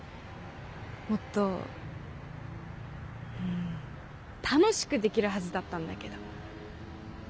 もっと楽しくできるはずだったんだけど。